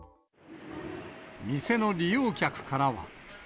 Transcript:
店の利用客からは。